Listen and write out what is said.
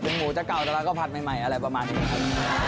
เป็นหมูจะเก่าแล้วก็ผัดใหม่อะไรประมาณนี้ครับ